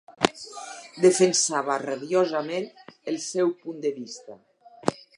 Defensava rabiosament el seu punt de vista.